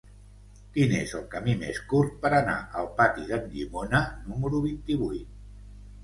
Quin és el camí més curt per anar al pati d'en Llimona número vint-i-vuit?